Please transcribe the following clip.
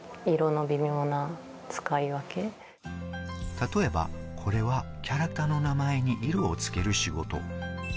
例えば、これはキャラクターの名前に色をつける仕事。